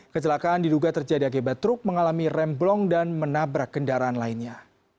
kecelakaan diduga terjadi akibat truk mengalami rem blong dan menabrak kendaraan lainnya